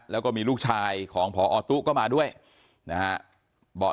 แล้วก็มีลูกชายของพอตุ๊ก็มาด้วยนะฮะบอก